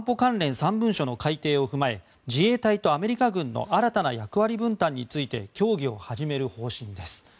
３文書の改訂を踏まえ自衛隊とアメリカ軍の新たな役割分担について協議を始める方針です。